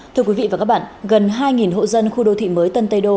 thưa quý vị và các bạn gần hai hộ dân khu đô thị mới tân tây đô